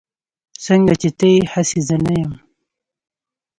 سنګه چې ته يي هسې زه نه يم